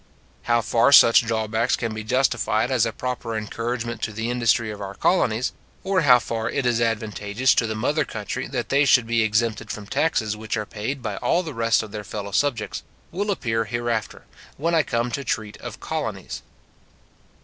How far such drawbacks can be justified as a proper encouragement to the industry of our colonies, or how far it is advantageous to the mother country that they should be exempted from taxes which are paid by all the rest of their fellow subjects, will appear hereafter, when I come to treat of colonies.